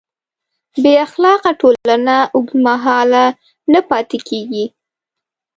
بېاخلاقه ټولنه اوږدمهاله نه پاتې کېږي.